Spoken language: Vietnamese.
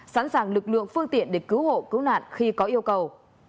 sẵn sàng lực lượng phương tiện để cứu hộ cứu nạn khi có yêu cầu